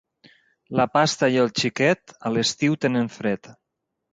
La pasta i el xiquet a l'estiu tenen fred.